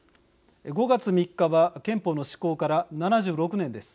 ５月３日は憲法の施行から７６年です。